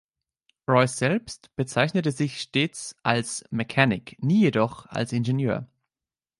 Royce selbst bezeichnete sich stets als „Mechanic“, nie jedoch als Ingenieur.